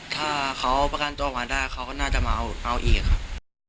ถ้าเขาประกันตัวออกมาได้เขาก็น่าจะมาเอาอีกครับ